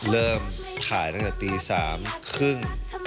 เริ่มถ่ายตั้งแต่ตี๓๓๐